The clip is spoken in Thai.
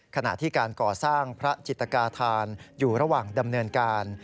ขณะที่การก่อสร้างพระจิตกาธานอยู่ระหว่างดำเนินการ